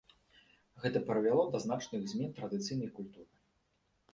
Гэта прывяло да значных змен традыцыйнай культуры.